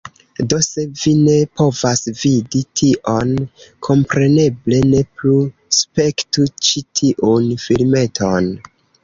Do, se vi ne povas vidi tion, kompreneble, ne plu spektu ĉi tiun filmeton.